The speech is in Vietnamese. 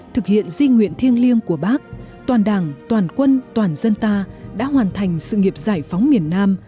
thực hiện di nguyện thiêng liêng của bác toàn đảng toàn quân toàn dân ta đã hoàn thành sự nghiệp giải phóng miền nam